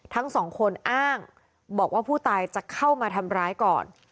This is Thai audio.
ทั้งสองคนอ้างบอกว่าผู้ตายจะเข้ามาทำร้ายก่อน